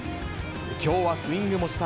きょうはスイングもした。